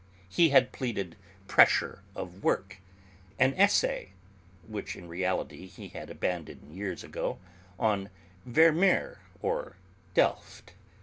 He had pleaded pressure of work, an essay which, in reality, he had abandoned years ago on Vermeer of Delft.